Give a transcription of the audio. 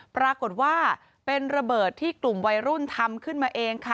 ปรากฏว่าเป็นระเบิดที่กลุ่มวัยรุ่นทำขึ้นมาเองค่ะ